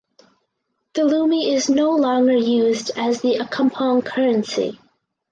The lumi is no longer used as the Accompong currency.